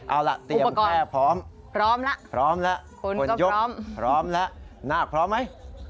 เอาล่ะเตรียมแค่พร้อมพร้อมล่ะคนยกพร้อมล่ะหน้าพร้อมไหม